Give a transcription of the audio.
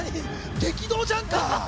激動じゃんか。